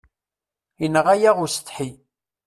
Inɣa-yaɣ usetḥi.